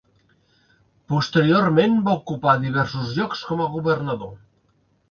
Posteriorment va ocupar diversos llocs com a governador.